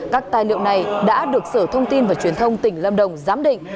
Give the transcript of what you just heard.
các tài liệu này đã được sở thông tin và truyền thông tỉnh lâm đồng giám định